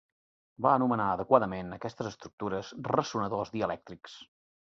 Va anomenar adequadament aquestes estructures "ressonadors dielèctrics".